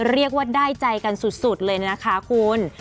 เรียกว่าได้ใจกันสุดเลยนะคะคุณ